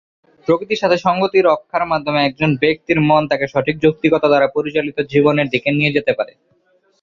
প্রকৃতির সাথে সঙ্গতি রক্ষার মাধ্যমে একজন ব্যক্তির মন তাকে সঠিক যৌক্তিকতা দ্বারা পরিচালিত জীবনের দিকে নিয়ে যেতে পারে।